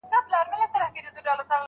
تو لعنت دي ستا پر دې مسلماني وي.